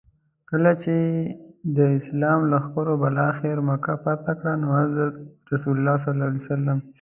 کله چي د اسلام لښکرو بالاخره مکه فتح کړه نو حضرت رسول ص.